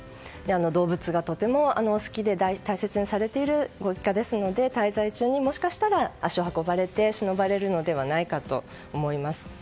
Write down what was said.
動物がとても好きで大切にされているご一家ですので滞在中にもしかしたら足を運ばれてしのばれるのではないかと思います。